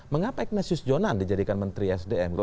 mengapa ignatius jonan dijadikan menteri sdm